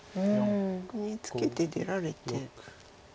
逆にツケて出られて。